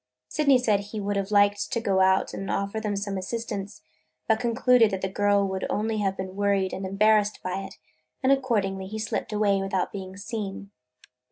Sydney said he would have liked to go out and offer them some assistance; but concluded that the girl would only have been worried and embarrassed by it, and accordingly he slipped away without being seen.